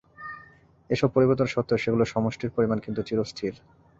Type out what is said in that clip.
এ-সব পরিবর্তন সত্ত্বেও সেগুলির সমষ্টির পরিমাণ কিন্তু চিরস্থির।